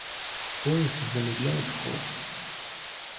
Поезд замедляет ход.